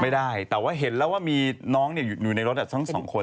ไม่ได้แต่ว่าเห็นแล้วว่ามีน้องอยู่ในรถทั้งสองคน